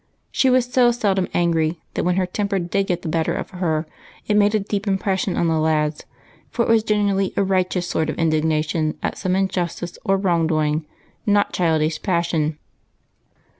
She was so seldom angry, that when her temper did get the better of her it made a deep im pression on the lads, for it w^as generally a righteous sort of indignation at some injustice or wrong doing, not childish passion.